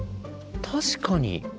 確かに。